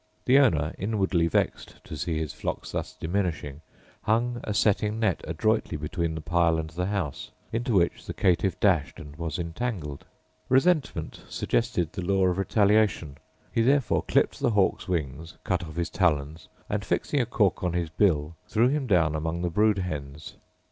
The owner, inwardly vexed to see his flock thus diminishing, hung a setting net adroitly between the pile and the house, into which the caitiff dashed and was entangled. Resentment suggested the law of retaliation; he therefore clipped the hawk's wings, cut off his talons, and, fixing a cork on his bill, threw him down among the brood hens.